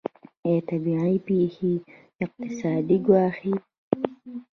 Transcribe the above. آیا طبیعي پیښې اقتصاد ګواښي؟